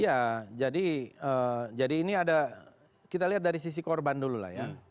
iya jadi ini ada kita lihat dari sisi korban dulu lah ya